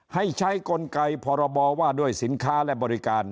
ให้ใช้กลไกพรบว่าด้วยสินค้าและบริการ